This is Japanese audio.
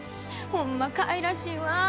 ホンマかいらしいわ。